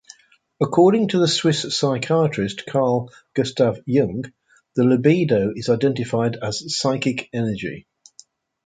According to Swiss psychiatrist Carl Gustav Jung, the libido is identified as psychic energy.